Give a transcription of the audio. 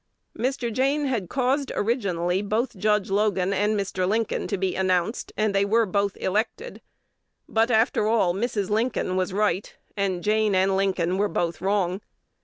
Mr. Jayne had caused originally both Judge Logan and Mr. Lincoln to be announced, and they were both elected. But, after all, Mrs. Lincoln was right, and Jayne and Lincoln were both wrong.